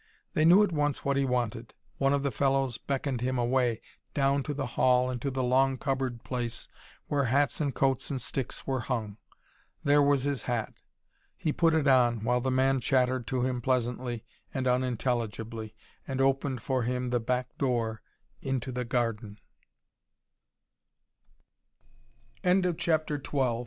They knew at once what he wanted. One of the fellows beckoned him away, down to the hall and to the long cupboard place where hats and coats and sticks were hung. There was his hat; he put it on, while the man chattered to him pleasantly and unintelligibly, and opened for him the back door, into the garden. CHAPTER XIII.